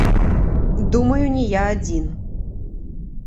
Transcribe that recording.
Думаю, не я адзін.